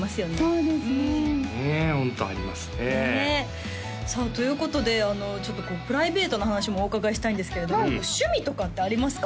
そうですねねえホントありますねさあということでちょっとプライベートな話もお伺いしたいんですけれども趣味とかってありますか？